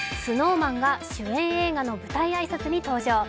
ＳｎｏｗＭａｎが主演映画の舞台挨拶に登場。